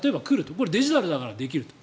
これはデジタルだからできると。